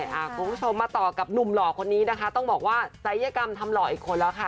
คุณผู้ชมมาต่อกับหนุ่มหล่อคนนี้นะคะต้องบอกว่าศัยกรรมทำหล่ออีกคนแล้วค่ะ